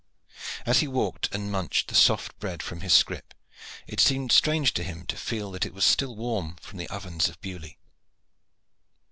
As he walked and munched the soft bread from his scrip, it seemed strange to him to feel that it was still warm from the ovens of Beaulieu.